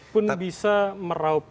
pun bisa meraup